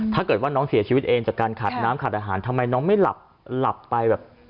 ถ้าเกิดว่าน้องเสียชีวิตเองจากการขาดน้ำขาดอาหารทำไมน้องไม่หลับหลับไปแบบ